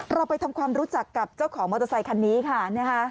เราไปทำความรู้จักกับเจ้าของมอเตอร์ไซคันนี้ค่ะนะคะ